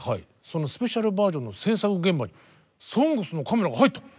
そのスペシャルバージョンの制作現場に「ＳＯＮＧＳ」のカメラが入った。